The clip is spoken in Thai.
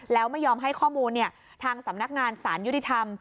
แล้วไม่ยอมให้ข้อมูลทางสำนักงานสารยุติธรรม